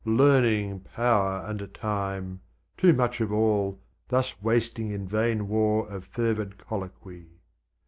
Learning, Power, and Time, (Too much of all) thus wasting in vain war Of fervid colloquy.